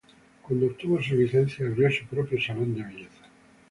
Cuando obtuvo su licencia, abrió su propio salón de belleza.